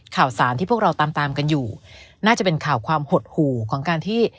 ข่าวสารที่พวกเราตามตามกันอยู่น่าจะเป็นข่าวความหดหู่ของการที่